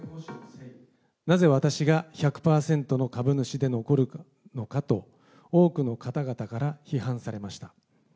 なぜ私が１００％の株主で残るのかと、多くの方々から批判されました。